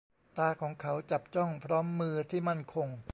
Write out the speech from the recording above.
ตาของเขาจับจ้อง พร้อมมือที่มั่นคง